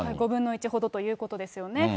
５分の１ほどということですよね。